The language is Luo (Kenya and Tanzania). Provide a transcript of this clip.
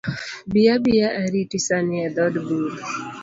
Bi abia ariti sani e dhood bura.